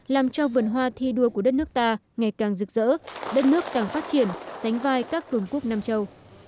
làm cho vườn hoa thi đua của đất nước ta ngày càng rực rỡ đất nước càng phát triển sánh vai các cường quốc nam châu